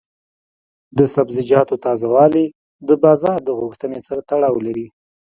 د سبزیجاتو تازه والي د بازار د غوښتنې سره تړاو لري.